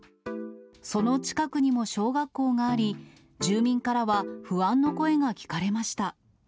その近くにも小学校があり、住民からは不安の声が聞かれました。